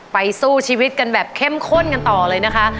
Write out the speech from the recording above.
สู้ชีวิตกันแบบเข้มข้นกันต่อเลยนะคะ